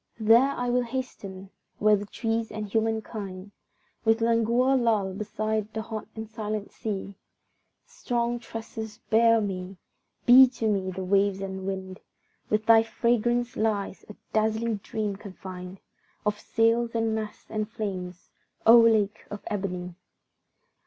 There I will hasten, where the trees and humankind With languor lull beside the hot and silent sea; Strong tresses bear me, be to me the waves and wind! Within thy fragrance lies a dazzling dream confined Of sails and masts and flames O lake of ebony!